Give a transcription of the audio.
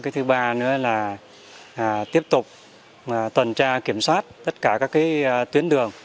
thứ ba nữa là tiếp tục tuần tra kiểm soát tất cả các tuyến đường